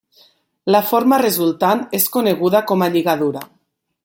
La forma resultant és coneguda com a lligadura.